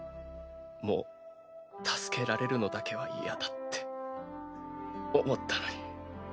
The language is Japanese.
もう助けられるのだけは嫌だって思ったのに。